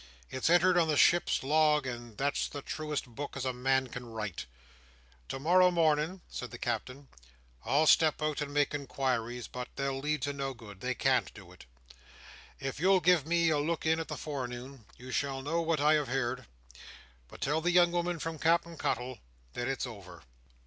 It's entered on the ship's log, and that's the truest book as a man can write. To morrow morning," said the Captain, "I'll step out and make inquiries; but they'll lead to no good. They can't do it. If you'll give me a look in in the forenoon, you shall know what I have heerd; but tell the young woman from Cap'en Cuttle, that it's over.